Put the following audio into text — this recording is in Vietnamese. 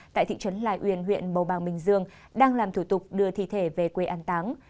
tại thị trấn lai uyên huyện bầu bàng bình dương đang làm thủ tục đưa thi thể về quê ăn táng